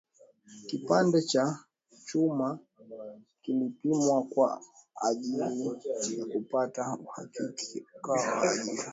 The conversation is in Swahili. kipande cha chuma kilipimwa kwa ajiri ya kupata uhakika wa ajari